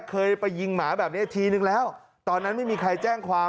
เคยไปยิงหมาแบบนี้ทีนึงแล้วตอนนั้นไม่มีใครแจ้งความ